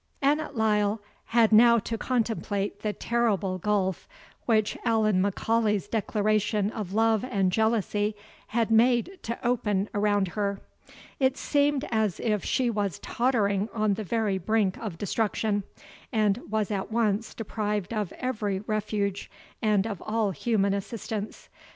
Annot Lyle had now to contemplate the terrible gulf which Allan M'Aulay's declaration of love and jealousy had made to open around her. It seemed as if she was tottering on the very brink of destruction, and was at once deprived of every refuge, and of all human assistance.